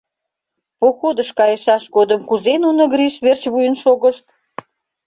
Походыш кайышаш годым кузе нуно Гриш верч вуйын шогышт!